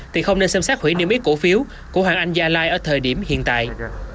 thì không nên xem xét hủy niêm yết cổ phiếu của hoàng anh gia lai ở thời điểm hiện tại